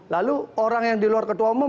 lalu orang yang di luar ketua umum